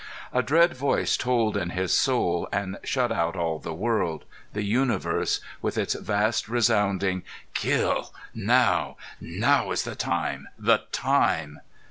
A dread voice tolled in his soul and shut out all the world the universe with its vast resounding. "Kill! Now! Now is the time the time!"